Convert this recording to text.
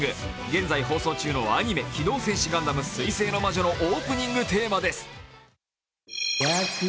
現在放送中のアニメ「機動戦士ガンダム水星の魔女」のオープニングテーマです。